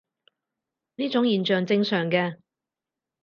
呢種現象正常嘅